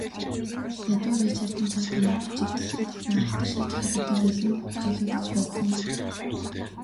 Ядуу Ричардын цаг тооны бичиг дэлхий дахинаа алдаршиж, хэд хэдэн хэлэнд орчуулагдаж байсан юм.